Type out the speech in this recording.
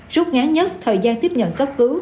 rút ngán nhất thời gian tiếp nhận cấp cứu